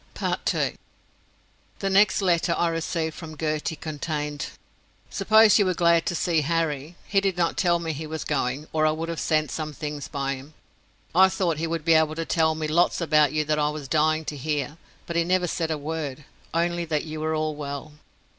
II The next letter I received from Gertie contained: I suppose you were glad to see Harry. He did not tell me he was going, or I would have sent some things by him. I thought he would be able to tell me lots about you that I was dying to hear, but he never said a word, only that you were all well.